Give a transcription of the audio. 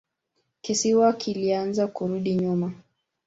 Kisiwa kilianza kurudi nyuma.